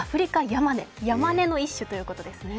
ヤマネの一種ということですね。